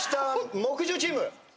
木１０チーム。